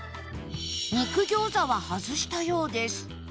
肉餃子は外したようです